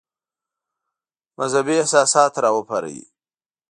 مذهبي احساسات را وپاروي.